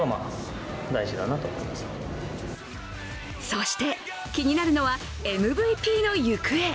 そして、気になるのはＭＶＰの行方。